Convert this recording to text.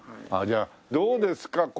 じゃあどうですか？